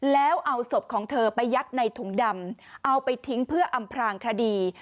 แล้วเอาศพของเธอไปยัดในถุงดำเอาไปทิ้งเพื่ออำพลางคดี